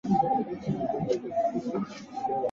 建中年间废。